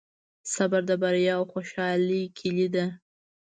صبر د بریا او خوشحالۍ کیلي ده.